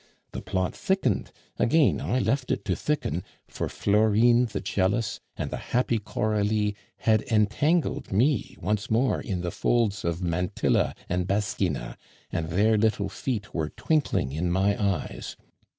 The plot thickened, again I left it to thicken; for Florine the jealous and the happy Coralie had entangled me once more in the folds of mantilla and basquina, and their little feet were twinkling in my eyes.